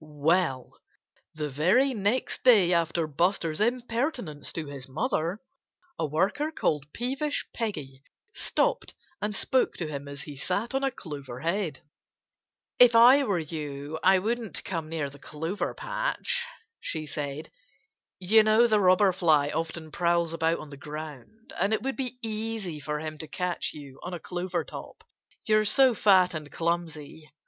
Well, the very next day after Buster's impertinence to his mother a worker called Peevish Peggy stopped and spoke to him as he sat on a clover head. "If I were you I wouldn't come near the clover patch," she said. "You know the Robber Fly often prowls about on the ground. And it would be easy for him to catch you on a clover top, you're so fat and clumsy....